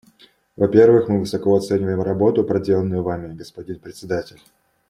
Во-первых, мы высоко оцениваем работу, проделанную Вами, господин Председатель.